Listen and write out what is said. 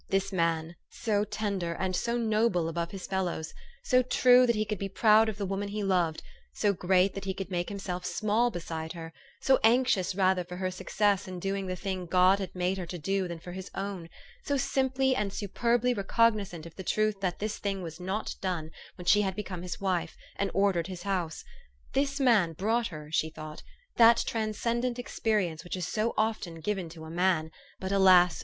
This man so tender, and so noble above his fellows, so true that he could be proud of the woman he loved, so great that he could make himself small beside her, so anxious rather for her success in doing the thing God had made her to do than for his own, so simply and superbly recognizant of the truth that this thing was not done when she had become his wife, and or dered his house, this man brought her, she thought, that transcendent experience which is so often given to a man, but alas